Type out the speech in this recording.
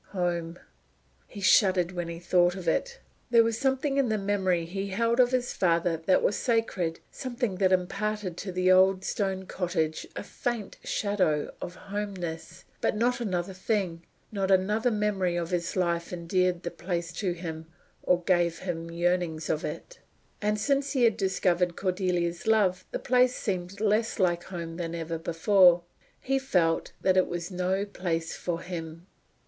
Home! He shuddered when he thought of it. There was something in the memory he held of his father that was sacred something that imparted to the old stone cottage a faint shadow of homeness, but not another thing not another memory of his life endeared the place to him, or gave him yearnings for it. And since he had discovered Cordelia's love the place seemed less like home than ever before. He felt that it was no place for him.